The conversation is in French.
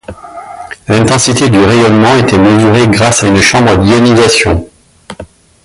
L'intensité du rayonnement était mesurée grâce à une chambre d'ionisation.